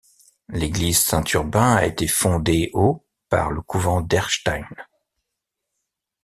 L'église Saint-Urbain a été fondée au par le couvent d'Erstein.